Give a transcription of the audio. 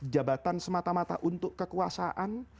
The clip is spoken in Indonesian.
jabatan semata mata untuk kekuasaan